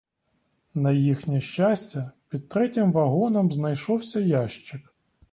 На їхнє щастя, під третім вагоном знайшовся ящик.